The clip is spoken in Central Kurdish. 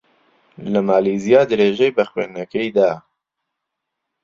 لە مالیزیا درێژەی بە خوێندنەکەی دا.